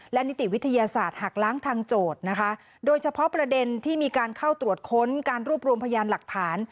และนิติวิทยาศาสตร์หักล้างทางโจทย์นะคะโดยเฉพาะประเด็นที่มีการเข้าตรวจค้นการรวบรวมพยานหลักฐาน